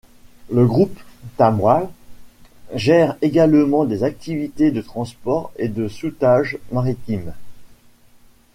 Le Groupe Tamoil gère également des activités de transport et de soutage maritime.